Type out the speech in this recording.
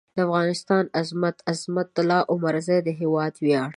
د افغانستان عظمت؛ عظمت الله عمرزی د هېواد وېاړ